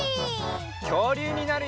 きょうりゅうになるよ！